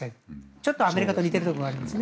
ちょっとアメリカと似ているところがありますね